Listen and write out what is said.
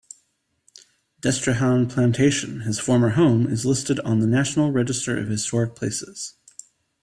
Destrehan Plantation, his former home, is listed on the National Register of Historic Places.